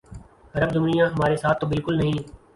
عرب دنیا ہمارے ساتھ تو بالکل نہیں۔